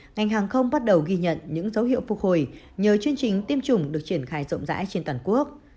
ngành hàng không bắt đầu ghi nhận những dấu hiệu phục hồi nhờ chương trình tiêm chủng được triển khai rộng rãi trên toàn quốc